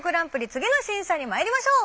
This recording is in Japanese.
次の審査にまいりましょう。